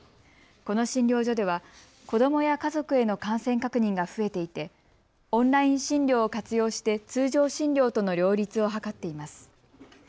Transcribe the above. この診療所では子どもや家族への感染確認が増えていてオンライン診療を活用して通常診療との両立を図っています。